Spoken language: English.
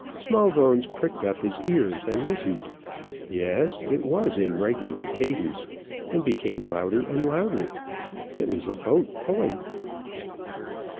Smallbones pricked up his ears and listened; yes, it was in regular cadence, and became louder and louder. It was a boat pulling.